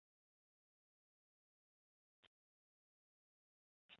密歇根大学狼獾队的校友在奥运会上也有不错的成绩。